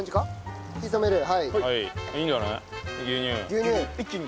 牛乳一気に。